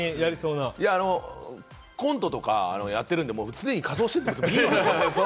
コントとかやってるんで、常に仮装してるんですよ。